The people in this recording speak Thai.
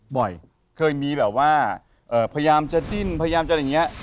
บ่อยเคยมีแบบว่าพยายามจะดิ้นพยายามจะอย่างเงี้ย